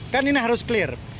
kan ini harus clear